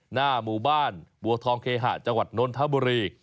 หน้าหมู่บ้านบัวทองเคหะจังหวัดนนทบุรี